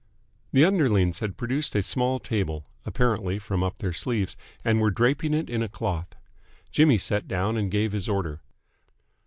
The underlings had produced a small table apparently from up their sleeves, and were draping it in a cloth. Jimmy sat down and gave his order.